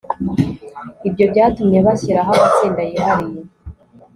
ibyo byatumye bashyiraho amatsinda yihariye